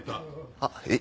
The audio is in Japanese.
あっえっ